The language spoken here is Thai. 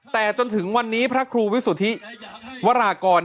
แต่จนถึงวันนี้พระครูวิสุทธิวรากร